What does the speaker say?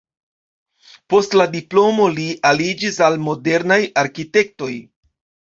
Post la diplomo li aliĝis al modernaj arkitektoj.